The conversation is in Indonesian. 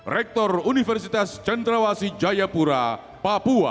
rektor universitas centrawasi jayapura papua